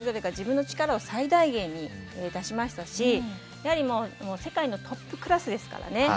このオリンピックでそれぞれが自分の力を最大限に出しましたしやはり世界のトップクラスですからね。